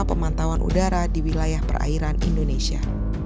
pemantauan udara di wilayah perairan indonesia